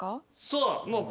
そう。